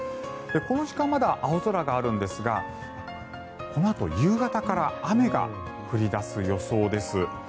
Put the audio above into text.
この時間まだ青空があるんですがこのあと夕方から雨が降り出す予想です。